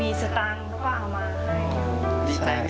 มีสตางค์เขาก็เอามาให้